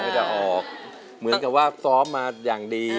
ตรงนั้นว่ากรอมพัดอย่างดี